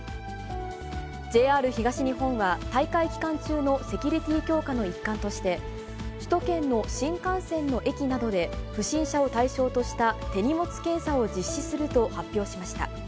ＪＲ東日本は、大会期間中のセキュリティー強化の一環として、首都圏の新幹線の駅などで、不審者を対象とした手荷物検査を実施すると発表しました。